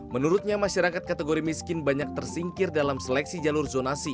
menurutnya masyarakat kategori miskin banyak tersingkir dalam seleksi jalur zonasi